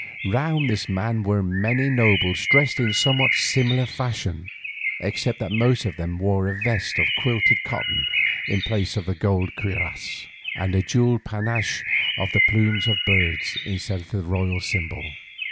Round this man were many nobles dressed in a somewhat similar fashion, except that the most of them wore a vest of quilted cotton in place of the gold cuirass, and a jewelled panache of the plumes of birds instead of the royal symbol.